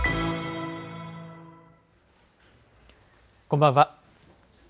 こんばんは。